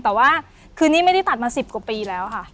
แต่ว่าคือนี่ไม่ได้ตัดมา๑๐กว่าปีแล้วค่ะ